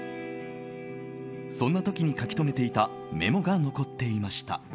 そんな時に書き留めていたメモが残っていました。